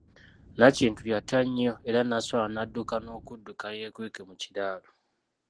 Nakintu yatya nnyo era n'aswala n'adduka n'okudduka yeekweke mu kiraalo.